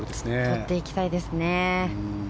とっていきたいですね。